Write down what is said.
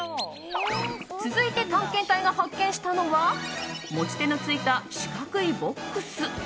続いて探検隊が発見したのは持ち手の付いた四角いボックス。